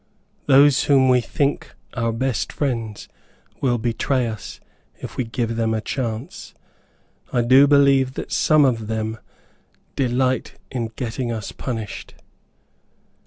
Those whom we think our best friends will betray us, if we give them a chance. I do believe that some of them delight in getting us punished."